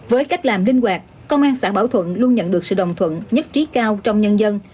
với cách làm linh hoạt công an xã bảo thuận luôn nhận được sự đồng thuận nhất trí cao trong nhân dân